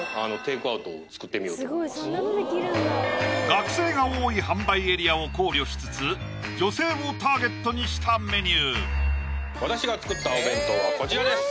学生が多い販売エリアを考慮しつつ女性をターゲットにしたメニュー私が作ったお弁当はこちらです！